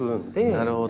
なるほど。